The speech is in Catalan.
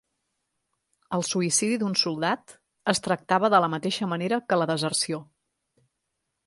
El suïcidi d'un soldat es tractava de la mateixa manera que la deserció.